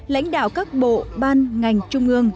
lãnh đạo các bộ ban ngành trung ương